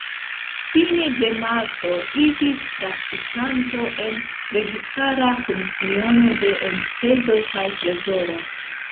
Fine de marto iĝis praktikanto en Registara Komisiono de Enspezoj kaj Trezoro.